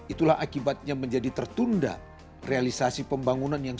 itulah akibatnya menjadi tertunda realisasi pembangunan yang